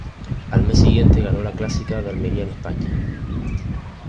Al mes siguiente ganó la Clásica de Almería en España.